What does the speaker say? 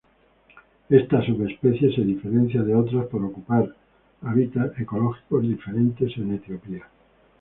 Esta subespecie se diferencia de otras por ocupar hábitats ecológicos diferentes en Etiopía.